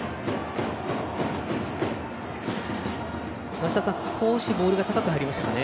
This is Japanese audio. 梨田さん少しボールが高く入りましたかね。